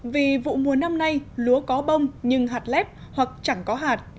vì vụ mùa năm nay lúa có bông nhưng hạt lép hoặc chẳng có hạt